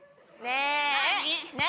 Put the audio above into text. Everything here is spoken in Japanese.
ねえ！